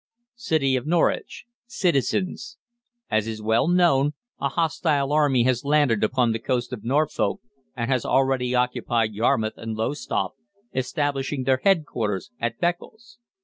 CITY OF NORWICH. =CITIZENS = AS IS WELL KNOWN, a hostile army has landed upon the coast of Norfolk, and has already occupied Yarmouth and Lowestoft, establishing their headquarters at Beccles.